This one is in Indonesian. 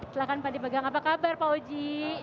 silahkan pak dipegang apa kabar pak oji